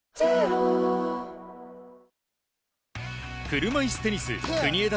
車いすテニス国枝